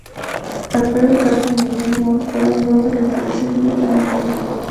Alfredo Caso y Miguel Mont fueron dos de los trece heridos de la jornada.